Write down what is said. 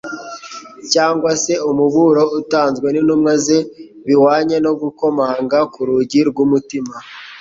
cyangwa se umuburo utanzwe n'intumwa ze bihwanye no gukomanga ku rugi rw'umutima.